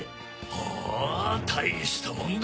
ハァ大したもんだ。